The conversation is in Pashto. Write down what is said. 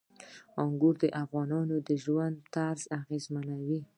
انګور د افغانانو د ژوند طرز اغېزمنوي.